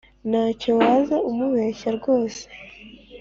Ntacyo waza umubeshya rwose